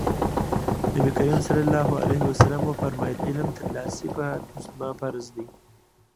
نبي کريم ص وفرمايل علم ترلاسی په هر مسلمان فرض دی.